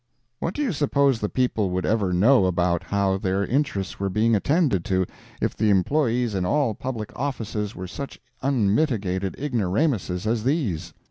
What do you suppose the people would ever know about how their interests were being attended to if the employees in all public offices were such unmitigated ignoramuses as these?